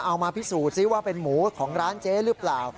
เอามาพิสูจนซิว่าเป็นหมูของร้านเจ๊หรือเปล่า